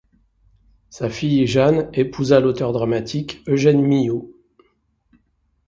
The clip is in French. Sa fille Jeanne épousa l'auteur dramatique Eugène Millou.